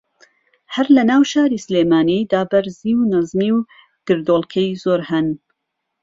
ھەر لە ناو شاری سلێمانی دا بەرزی و نزمی و گردۆڵکەی زۆر ھەن